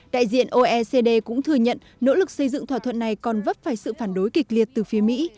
đại diện oecd cũng thừa nhận nỗ lực xây dựng thỏa thuận này còn vấp phải sự phản đối kịch liệt từ phía mỹ